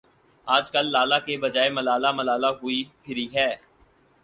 آجکل لالہ کے بجائے ملالہ ملالہ ہوئی پھری ہے ۔